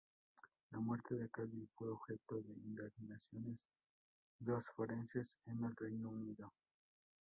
La muerte de Calvi fue objeto de indagaciones dos forenses en el Reino Unido.